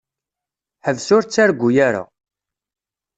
Ḥbes ur ttargu ara.